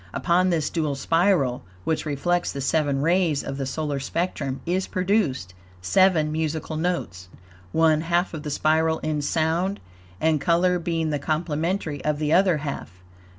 Upon this dual spiral, which reflects the seven rays of the solar spectrum is produced seven musical notes; one half of the spiral in sound and color being the complementary of the other half.